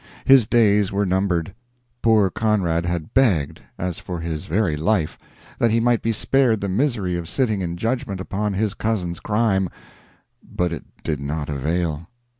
His days were numbered. Poor Conrad had begged, as for his very life, that he might be spared the misery of sitting in judgment upon his cousin's crime, but it did not avail.